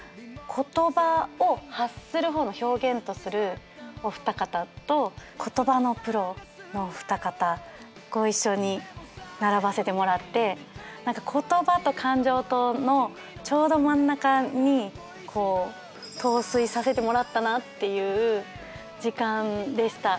言葉を発する方の表現とするお二方と言葉のプロのお二方ご一緒に並ばせてもらって言葉と感情とのちょうど真ん中に陶酔させてもらったなっていう時間でした。